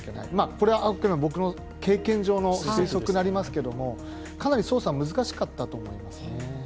これはあくまで僕の経験上の推測になりますけどかなり捜査は難しかったと思いますね。